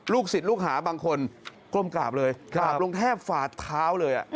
ศิษย์ลูกหาบางคนก้มกราบเลยกราบลงแทบฝาดเท้าเลย